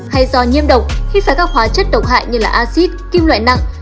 hay do nhiêm độc khi phá các hóa chất độc hại như là acid kim loại nặng